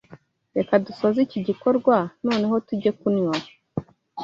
Reka dusoze iki gikorwa noneho tujye kunywa.